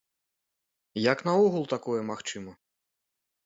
Як наогул такое магчыма?